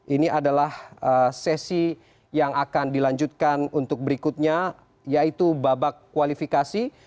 ini adalah sesi yang akan dilanjutkan untuk berikutnya yaitu babak kualifikasi